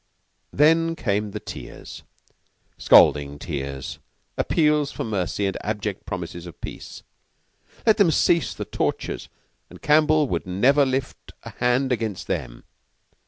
Then came the tears scalding tears; appeals for mercy and abject promises of peace. Let them cease the tortures and Campbell would never lift hand against them.